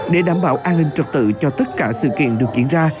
để đảm bảo an ninh trật tự cho tất cả sự kiện được diễn ra